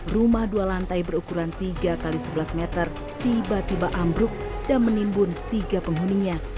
rumah dua lantai berukuran tiga x sebelas meter tiba tiba ambruk dan menimbun tiga penghuninya